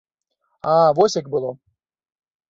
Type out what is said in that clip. А вось як было.